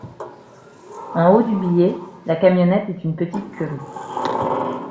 En haut du billet, la camionnette est une Petite Curie.